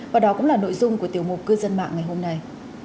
và đó cũng là nội dung của tiểu mục cư dân mạng ngày hôm nay